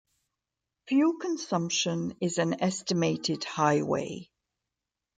Fuel consumption is an estimated highway.